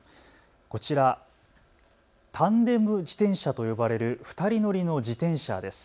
こちら、タンデム自転車と呼ばれる２人乗りの自転車です。